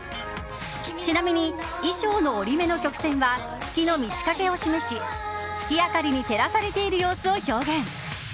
ちなみに、衣装の折り目の曲線は月の満ち欠けを示し月明かりに照らされている様子を表現。